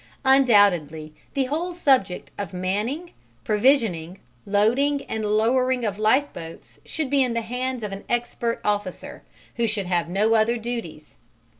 Undoubtedly, the whole subject of manning, provisioning, loading and lowering of lifeboats should be in the hands of an expert officer, who should have no other duties.